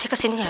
dia kesini ya